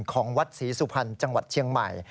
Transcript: ของวัดศรีสุพรรณจังหวัดเชียงใหม่